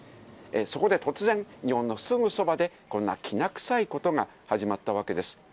そこで突然、日本のすぐそばで、こんなきな臭いことが始まったわけです。